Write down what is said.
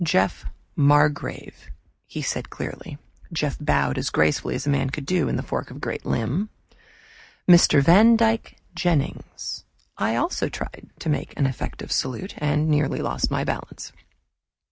Jeff Margrave," he said clearly; Jeff bowed as gracefully as a man could in the fork of a great limb. "Mr. Vandyck Jennings" I also tried to make an effective salute and nearly lost my balance.